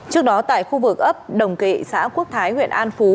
trước đó tại khu vực ấp đồng kỵ xã quốc thái huyện an phú